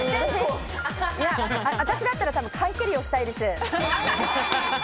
私だったら缶蹴りをしたいです。